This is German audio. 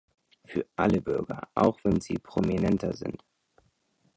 Für alle Bürger, auch wenn sie prominenter sind“.